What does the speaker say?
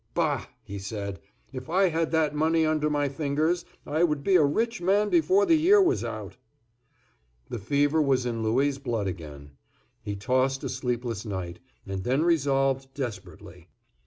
"Bah!" he said. "If I had that money under my fingers, I would be a rich man before the year was out." The fever was in Louis' blood again. He tossed a sleepless night, and then resolved desperately.